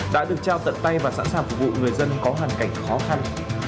đã được trao tận tay và sẵn sàng phục vụ người dân có hoàn cảnh khó khăn